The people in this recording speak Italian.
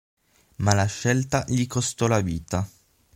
Ma la scelta gli costò la vita.